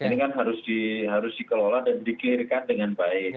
ini kan harus dikelola dan dikirakan dengan baik